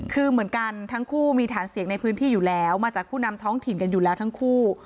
คือเหมือนกันทั้งคู่มีฐานเสียงในพื้นที่อยู่แล้วมาจากผู้นำท้องถิ่นกันอยู่แล้วทั้งคู่